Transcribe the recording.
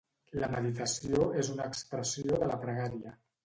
La meditació és una expressió de la pregària.